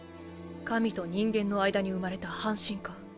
神と人間の間に生まれた半神か。